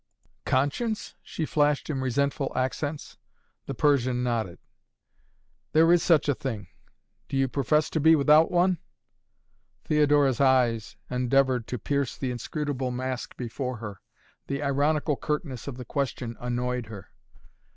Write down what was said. "Conscience?" she flashed in resentful accents. The Persian nodded. "There is such a thing. Do you profess to be without one?" Theodora's eyes endeavored to pierce the inscrutable mask before her. The ironical curtness of the question annoyed her.